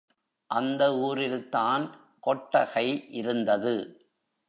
அந்த ஊரில்தான் கொட்டகை இருந்தது.